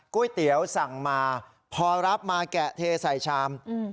ก๋วยเตี๋ยวสั่งมาพอรับมาแกะเทใส่ชาม